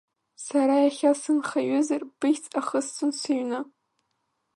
Сара иахьа сынхаҩызар, быхьӡ ахысҵон сыҩны.